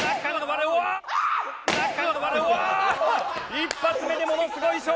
１発目でものすごい衝撃！